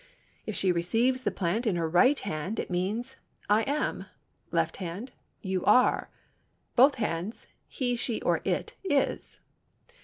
If she receives the plant in her right hand, it means, "I am"; left hand, "You are"; both hands—"He, she or it is."